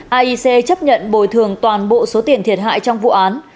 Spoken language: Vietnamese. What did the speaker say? aic chấp nhận bồi thường toàn bộ số tiền thiệt hại trong vụ án